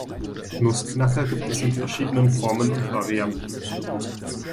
Nussknacker gibt es in verschiedenen Formen und Varianten.